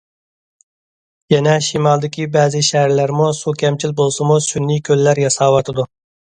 يەنە شىمالدىكى بەزى شەھەرلەرمۇ سۇ كەمچىل بولسىمۇ، سۈنئىي كۆللەر ياساۋاتىدۇ.